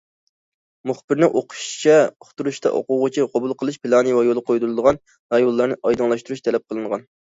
مۇخبىرنىڭ ئۇقۇشىچە، ئۇقتۇرۇشتا ئوقۇغۇچى قوبۇل قىلىش پىلانى ۋە يولغا قويۇلىدىغان رايونلارنى ئايدىڭلاشتۇرۇش تەلەپ قىلىنغان.